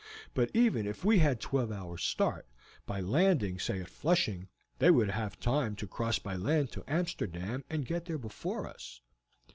But even if we had twelve hours' start, by landing, say at Flushing, they would have time to cross by land to Amsterdam and get there before us."